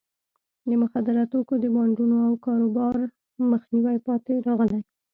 د مخدره توکو د بانډونو او کاروبار مخنیوي پاتې راغلی.